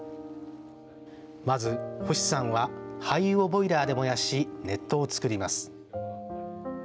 まず、星さんは廃油をボイラーで燃やし熱湯を作ります。